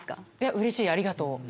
うれしいありがとう。